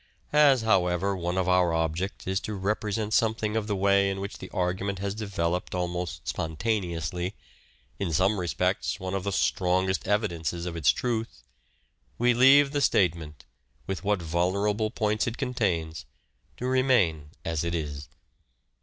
As, however, one of our objects is to represent some thing of the way in which the argument has developed SPECIAL CHARACTERISTICS 133 almost spontaneously — in some respects one of the strongest evidences of its truth — we leave the state ment, with what vulnerable points it contains, to remain as it is.